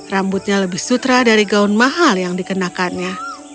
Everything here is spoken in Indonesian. rambutnya lebih sutra dari gaun mahal yang dikenakannya